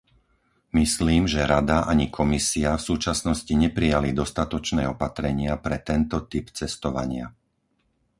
Myslím, že Rada ani Komisia v súčasnosti neprijali dostatočné opatrenia pre tento typ cestovania.